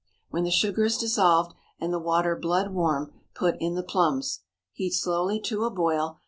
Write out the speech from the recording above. When the sugar is dissolved and the water blood warm, put in the plums. Heat slowly to a boil.